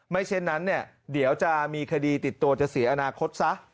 เช่นนั้นเนี่ยเดี๋ยวจะมีคดีติดตัวจะเสียอนาคตซะ